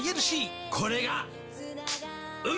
これが。